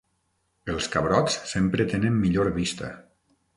Els cabrots sempre tenen millor vista.